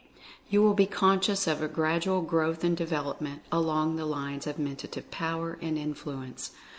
You will be conscious of a grad ual growth and development, along the lines of Men tative Power and Influence.